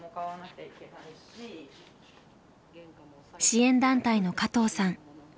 支援団体の加藤さん。